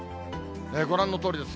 ご覧のとおりです。